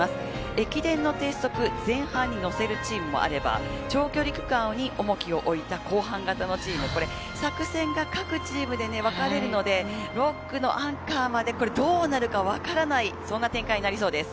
駅伝の鉄則、前半にのせるチームもあれば、長距離区間に重きを置いた後半型のチーム、これは作戦が各チームで分かれるので、６区のアンカーまで、どうなるかわからない、そんな展開になりそうです。